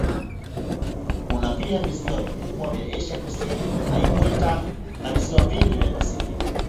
Kuna pia visiwa vikubwa vya Asia kusini kwa ikweta na visiwa vingi vya Pasifiki.